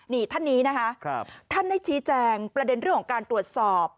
นี่ท่านนี้นะคะท่านได้ชี้แจงประเด็นเรื่องของการตรวจสอบ